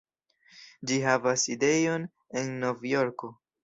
Ĝi havas sidejon en Novjorko.